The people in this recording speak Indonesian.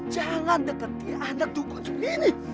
jangan dekat dia anak dukung seperti ini